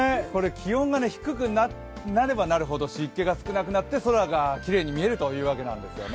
気温が低くなればなるほど湿気が少なくなって空がきれいに見えるというわけなんです。